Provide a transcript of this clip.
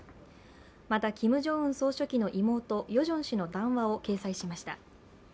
また、キム・ジョンウン総書記の妹、ヨジョン氏の談話を掲載しました。